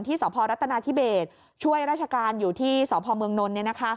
ที่สพรัตนาธิเบสช่วยราชการอยู่ที่สพมนนทบุรี